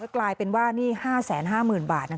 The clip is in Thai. กลายเป็นว่าหนี้๕๕๐๐๐บาท